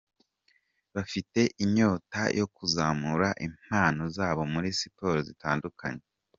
bafite inyota yo kuzamura impano zabo muri siporo zitandukanye.